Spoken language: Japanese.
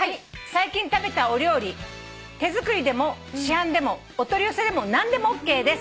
「最近食べたお料理手作りでも市販でもお取り寄せでも何でもＯＫです」